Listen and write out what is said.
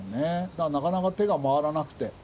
だからなかなか手が回らなくて。